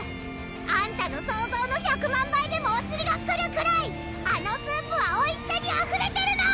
あんたの想像の１００万倍でもおつりが来るくらいあのスープはおいしさにあふれてるの！